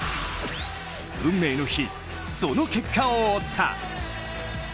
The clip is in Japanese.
運命の日、その結果を追った。